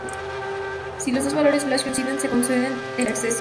Si los dos valores hash coinciden, se concede el acceso.